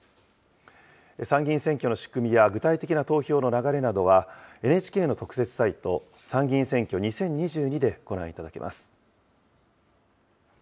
参議院選挙の仕組みや具体的な投票の流れなどは、ＮＨＫの特設サイト、参議院選挙２０２２でご覧いただけます。